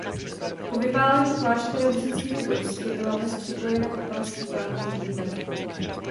Po vypálení kláštera husitskými vojsky byla ves připojena pod panství pánů z Rožmberka.